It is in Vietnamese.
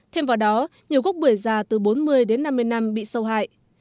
thêm vào đó nhiều gốc bưởi già từ bốn mươi đến năm mươi năm bị sâu hại